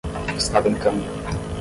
Está ventando.